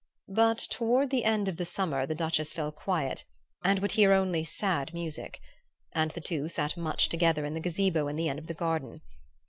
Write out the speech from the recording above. But toward the end of the summer the Duchess fell quiet and would hear only sad music, and the two sat much together in the gazebo at the end of the garden.